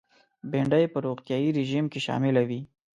بېنډۍ په روغتیایي رژیم کې شامله وي